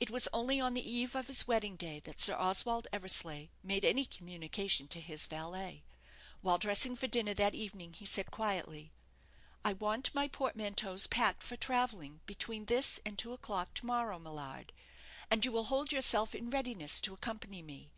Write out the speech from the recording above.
It was only on the eve of his wedding day that Sir Oswald Eversleigh made any communication to his valet. While dressing for dinner that evening, he said, quietly "I want my portmanteaus packed for travelling between this and two o'clock to morrow, Millard; and you will hold yourself in readiness to accompany me.